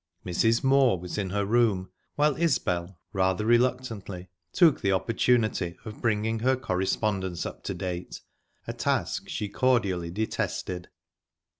Mrs. Moor was in her room, while Isbel, rather reluctantly, took the opportunity of bringing her correspondence up to date a task she cordially detested.